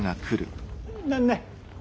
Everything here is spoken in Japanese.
何ね？